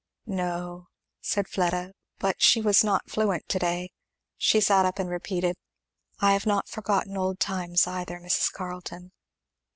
"No " said Fleda, but she was not fluent to day. She sat up and repeated, "I have not forgotten old times either, Mrs. Carleton."